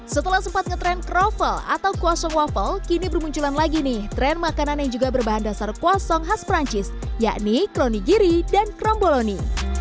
setelah sempat ngetrend kroffel atau kuas song waffle kini bermunculan lagi nih tren makanan yang juga berbahan dasar kuasang khas perancis yakni kronigiri dan kromboloni